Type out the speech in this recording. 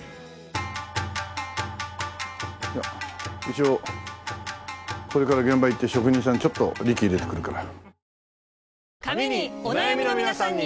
一応これから現場行って職人さんちょっとリキ入れてくるから。